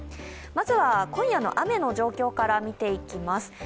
まずは今夜の雨の状況から見ていきます。